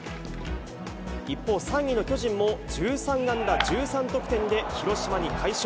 一方、３位の巨人も１３安打１３得点で広島に快勝。